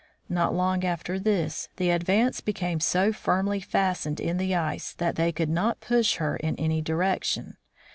Not long after this the Advance became so firmly fas tened in the ice that they could not push her in any direction.